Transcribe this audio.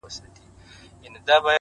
چي تا به وغوښتل ما هغه دم راوړل گلونه”